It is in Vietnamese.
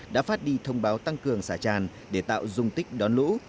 đã phát đi thông báo tăng cường xả tràn để tạo dung tích đón lũ